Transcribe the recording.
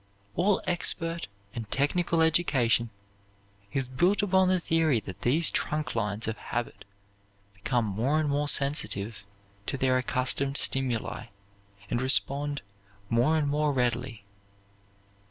All expert and technical education is built upon the theory that these trunk lines of habit become more and more sensitive to their accustomed stimuli, and respond more and more readily.